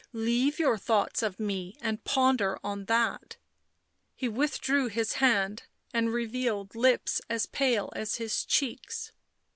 " Leave your thoughts of me and ponder on that." He withdrew his hand and revealed lips as pale as his cheeks.